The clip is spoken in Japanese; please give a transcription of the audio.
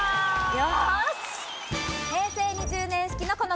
よし！